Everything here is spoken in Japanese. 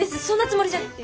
そんなつもりじゃ。